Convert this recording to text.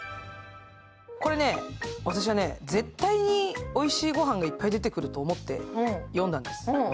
これね、私は絶対においしいご飯がいっぱい出てくると思って読んだんです。